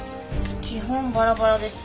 基本バラバラです。